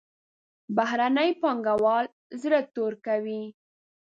بهرني پانګوال زړه تور کوي.